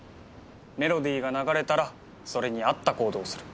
メロディーが流れたらそれに合った行動をする。